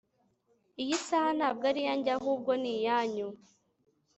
Iyi saha ntabwo ari iyanjye ahubwo ni iyanyu